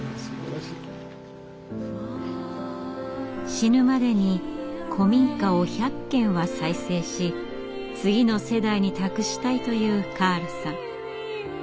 死ぬまでに古民家を１００軒は再生し次の世代に託したいというカールさん。